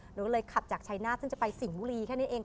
หนูก็เลยขับจากชายนาฏซึ่งจะไปสิ่งบุรีแค่นี้เอง